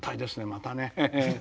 またね。